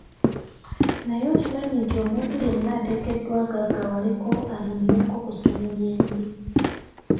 Naye okimanyi nti omuntu yenna ateekeddwa agaggawaleko anyumirweko ku ssanyu ly'ensi?